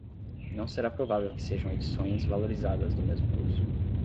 Não será provável que sejam edições valorizadas do mesmo curso.